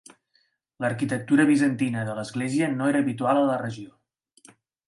L'arquitectura bizantina de l'església no era habitual a la regió.